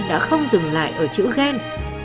đã không dừng lại ở chữ ghen